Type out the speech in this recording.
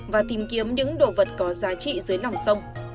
và tìm kiếm những đồ vật có giá trị dưới lòng sông